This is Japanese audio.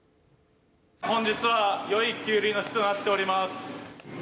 本日は良いきゅうりの日となっております。